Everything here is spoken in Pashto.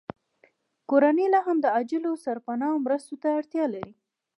کورنۍ لاهم د عاجلو سرپناه مرستو ته اړتیا لري